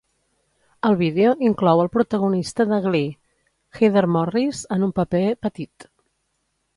El vídeo inclou el protagonista de "Glee", Heather Morris, en un paper petit.